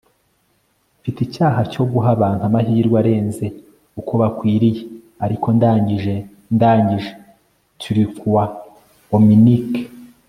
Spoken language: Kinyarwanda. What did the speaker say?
mfite icyaha cyo guha abantu amahirwe arenze uko bakwiriye ariko ndangije, ndangije - turcois ominek